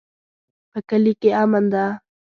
په کلي کې امن ده